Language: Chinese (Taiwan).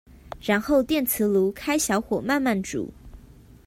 然後電磁爐開小火慢慢煮